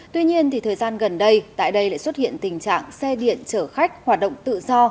tuy nhiên thời gian gần đây tại đây lại xuất hiện tình trạng xe điện chở khách hoạt động tự do